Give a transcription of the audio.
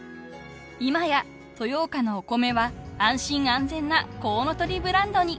今や豊岡のお米は安心安全なコウノトリブランドに］